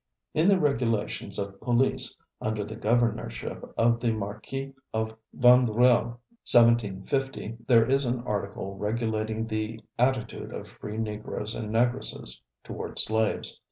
In the regulations of police under the governorship of the Marquis of Vandreuil, 1750, there is an article regulating the attitude of free Negroes and Negresses toward slaves.